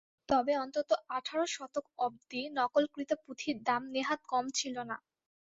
তবে অন্তত আঠারো শতক অব্দি নকলকৃত পুথির দাম নেহাত কম ছিল না।